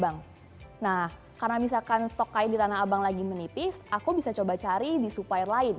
nah karena misalkan stok kain di tanah abang lagi menipis aku bisa coba cari di supplier lain